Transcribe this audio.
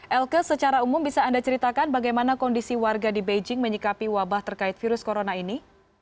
elke secara umum bisa anda ceritakan bagaimana kondisi warga di beijing menyikapi wabah terkait virus corona ini